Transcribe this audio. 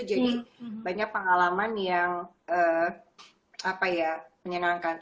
jadi banyak pengalaman yang menyenangkan